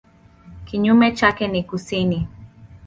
Kinyume chake ni kusini.